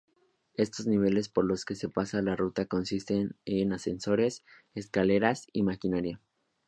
Estos niveles por los que pasa la ruta consiste en ascensores, escaleras y maquinaria.